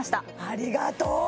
ありがとう！